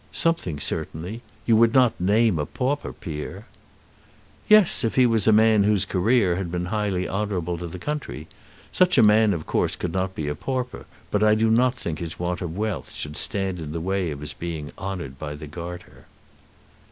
"Something certainly. You would not name a pauper peer." "Yes; if he was a man whose career had been highly honourable to the country. Such a man, of course, could not be a pauper, but I do not think his want of wealth should stand in the way of his being honoured by the Garter."